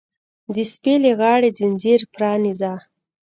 د سپي له غاړې ځنځیر پرانیزه!